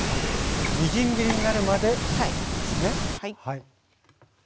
みじん切りになるまでですね。